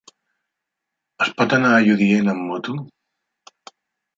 Es pot anar a Lludient amb moto?